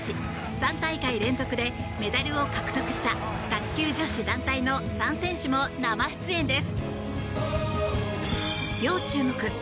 ３大会連続でメダルを獲得した卓球女子団体の３選手も生出演です。